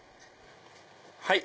はい。